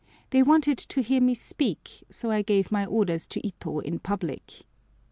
They wanted to hear me speak, so I gave my orders to Ito in public.